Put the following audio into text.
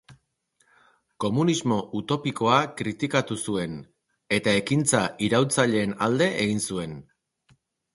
Komunismo utopikoa kritikatu zuen, eta ekintza iraultzaileen alde egin zuen.